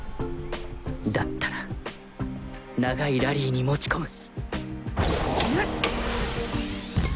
だったら長いラリーに持ち込む